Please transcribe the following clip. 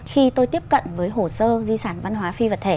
khi tôi tiếp cận với hồ sơ di sản văn hóa phi vật thể